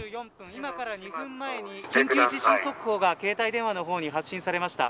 今から２分前に緊急地震速報が携帯に発信されました。